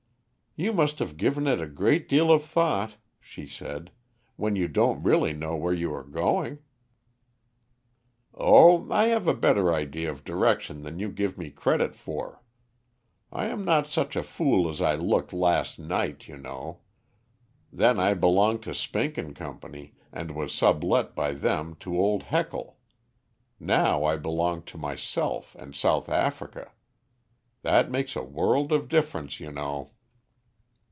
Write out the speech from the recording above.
"You must have given it a great deal of thought," she said, "when you don't really know where you are going." "Oh, I have a better idea of direction than you give me credit for. I am not such a fool as I looked last night, you know; then I belonged to Spink and Company, and was sublet by them to old Heckle; now I belong to myself and South Africa. That makes a world of difference, you know."